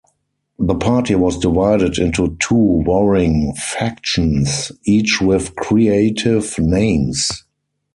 The party was divided into two warring factions, each with creative names.